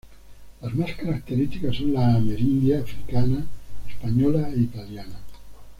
Las más características son la amerindia, africana, española e italiana.